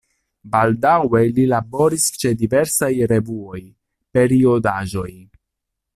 Baldaŭe li laboris ĉe diversaj revuoj, periodaĵoj.